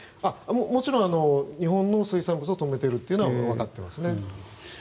もちろん日本の水産物を止めているのは分かっていますね。